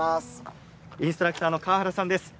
インストラクターの川原さんです。